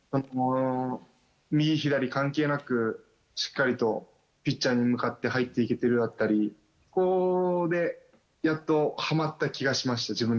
右左関係なく、しっかりとピッチャーに向かって入っていけてるだったり、そこでやっとはまった気がしました。